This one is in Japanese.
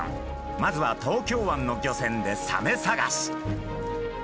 まずは東京湾の漁船でサメ探し。